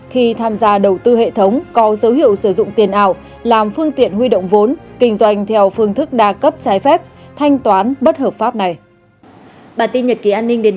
khi tham gia đầu tư hệ thống có dấu hiệu sử dụng tiền ảo làm phương tiện huy động vốn kinh doanh theo phương thức đa cấp trái phép thanh toán bất hợp pháp này